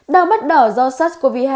đau mắt đỏ do sars cov hai